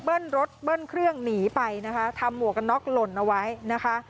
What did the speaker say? รถเบิ้ลเครื่องหนีไปนะคะทำหมวกกันน็อกหล่นเอาไว้นะคะ